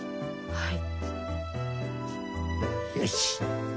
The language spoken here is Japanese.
はい。